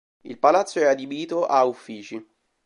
Il palazzo è adibito a uffici.